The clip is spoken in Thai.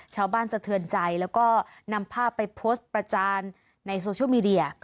สะเทือนใจแล้วก็นำภาพไปโพสต์ประจานในโซเชียลมีเดีย